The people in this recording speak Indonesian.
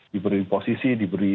diberi posisi diberi